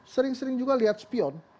sering sering juga lihat spion